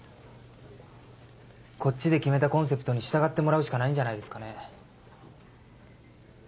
こっちで決めたコンセプトに従ってもらうしかないんじゃないですかね。